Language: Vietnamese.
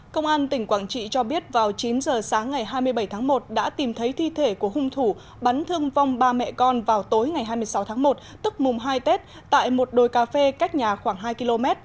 công an tỉnh quảng trị cho biết vào chín giờ sáng ngày hai mươi bảy tháng một đã tìm thấy thi thể của hung thủ bắn thương vong ba mẹ con vào tối ngày hai mươi sáu tháng một tức mùng hai tết tại một đồi cà phê cách nhà khoảng hai km